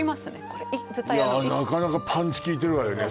これなかなかパンチ効いてるわよね